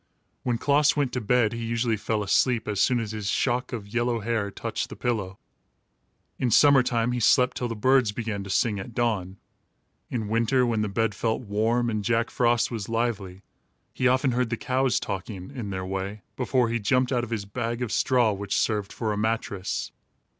When Klaas went to bed he usually fell asleep as soon as his shock of yellow hair touched the pillow. In summer time he slept till the birds began to sing, at dawn. In winter, when the bed felt warm and Jack Frost was lively, he often heard the cows talking, in their way, before he jumped out of his bag of straw, which served for a mattress.